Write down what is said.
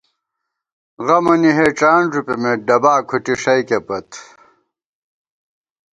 غمَنی ہېڄان ݫُپِمېت، ڈبا کھُٹی ݭَئیکےپت